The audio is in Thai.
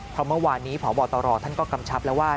เพราะเมื่อวานนี้พบตรท่านก็กำชับแล้วว่า